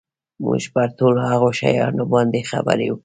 موږ پر ټولو هغو شیانو باندي خبري وکړې.